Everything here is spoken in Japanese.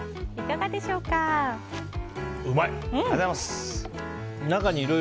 うまい！